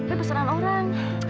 ini pesanan orang